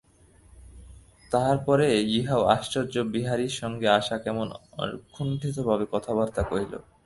তাহার পরে ইহাও আশ্চর্য–বিহারীর সঙ্গে আশা কেমন অকুন্ঠিতভাবে কথাবার্তা কহিল।